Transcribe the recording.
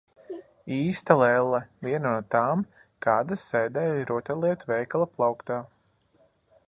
Īsta lelle, viena no tām, kādas sēdēja rotaļlietu veikala plauktā.